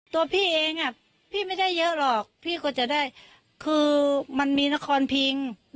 ตัวพี่เองพี่ไม่ได้เยอะหรอกพี่ก็จะได้คือมันมีนครพิง